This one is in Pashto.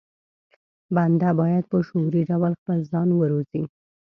بنده بايد په شعوري ډول خپل ځان وروزي.